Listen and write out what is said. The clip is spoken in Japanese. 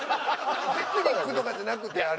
テクニックとかじゃなくてあれは。